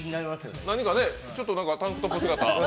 ちょっとタントップ姿。